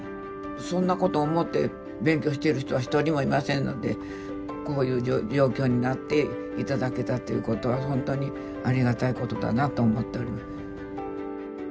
そんなこと思って勉強してる人は一人もいませんのでこういう状況になって頂けたっていうことは本当にありがたいことだなと思っております。